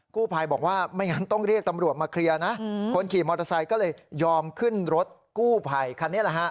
กู้ภัยบอกว่าไม่งั้นต้องเรียกตำรวจมาเคลียร์นะคนขี่มอเตอร์ไซค์ก็เลยยอมขึ้นรถกู้ภัยคันนี้แหละฮะ